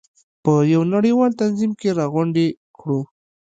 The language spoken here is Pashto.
په یو نړیوال تنظیم کې راغونډې کړو.